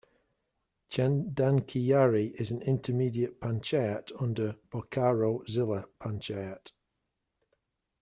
Chandankiyari is an intermediate panchayat under Bokaro Zilla panchayat.